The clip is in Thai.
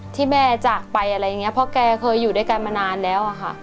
ที่แม่จากไปอะไรอย่างนี้เพราะแกเคยอยู่ด้วยกันมานานแล้วอะค่ะ